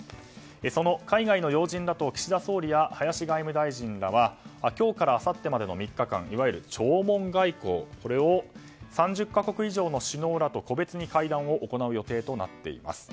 その海外の要人らと岸田総理大臣、林外務大臣らは今日からあさってまでの３日間いわゆる弔問外交を３０か国以上の首脳らと個別に会談を行う予定となっています。